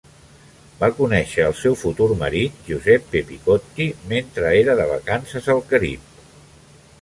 Va conèixer el seu futur marit, Giuseppe Piccotti, mentre era de vacances al Carib.